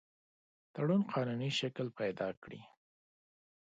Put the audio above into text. تړون قانوني شکل پیدا کړي.